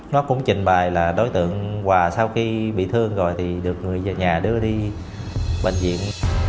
nó cũng trình bài là đối tượng hòa sau khi bị thương rồi thì được người về nhà đưa đi bệnh viện